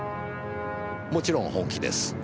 もちろん本気です。